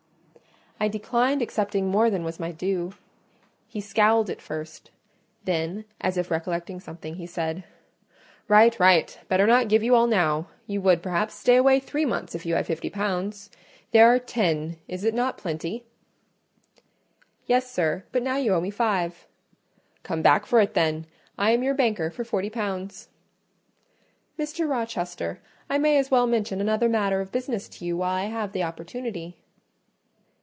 I declined accepting more than was my due. He scowled at first; then, as if recollecting something, he said— "Right, right! Better not give you all now: you would, perhaps, stay away three months if you had fifty pounds. There are ten; is it not plenty?" "Yes, sir, but now you owe me five." "Come back for it, then; I am your banker for forty pounds." "Mr. Rochester, I may as well mention another matter of business to you while I have the opportunity."